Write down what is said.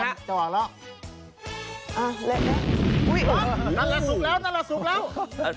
อ๋อณร้ะสุกแล้วนั่นล่ะสุกแล้ว